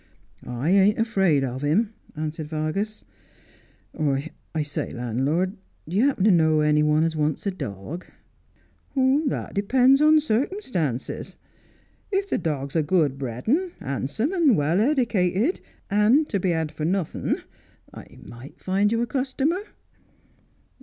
' I ain't afraid of him,' answered Vargas. ' Oh, I say, landlord, d'ye happen to know anyone as wants a dawg V ' That depends on circumstances. If the dog's a good bred 'un, handsome, and well edicated, and to be had for nothing, I might tind you a customer.'